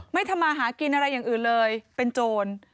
ไม่ทำมาหากินอะไรอย่างอื่นเลยเป็นโจร